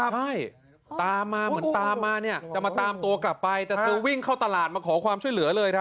ใช่ตามมาเหมือนตามมาเนี่ยจะมาตามตัวกลับไปแต่เธอวิ่งเข้าตลาดมาขอความช่วยเหลือเลยครับ